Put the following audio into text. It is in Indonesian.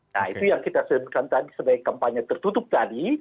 nah itu yang kita sebutkan tadi sebagai kampanye tertutup tadi